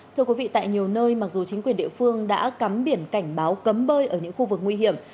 thưa quý vị tại nhiều nơi mặc dù chính quyền địa phương đã cắm biển cảnh báo cấm bơi ở những khu vực nguy hiểm